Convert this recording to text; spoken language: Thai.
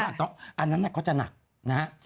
อันนั้นเขาจะหนักนะฮะ